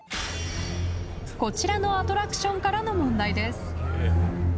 ［こちらのアトラクションからの問題です］